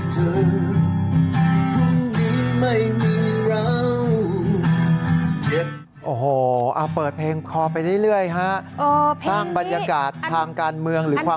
สิ่งที่เราเป็นผ่านมาคืออะไร